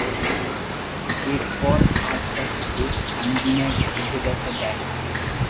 এরপর আর তাকে টেস্ট আঙ্গিনায় খেলতে দেখা যায়নি।